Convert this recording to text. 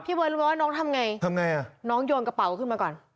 เบิร์ตรู้ไหมว่าน้องทำไงทำไงอ่ะน้องโยนกระเป๋าขึ้นมาก่อน